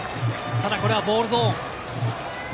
ただこれはボールゾーン。